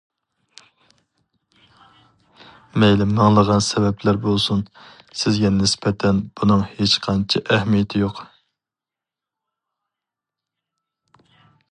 مەيلى مىڭلىغان سەۋەبلەر بولسۇن، سىزگە نىسبەتەن بۇنىڭ ھېچقانچە ئەھمىيىتى يوق.